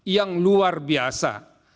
yang luar biasa